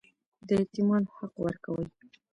د یتیمانو حق ورکوئ؟